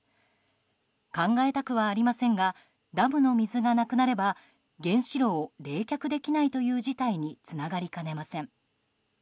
考えたくはありませんがダムの水がなくなれば原子炉を冷却できないという事態につながりかねません。